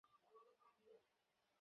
যা বলতে চাইছো, বুঝতে পারছি।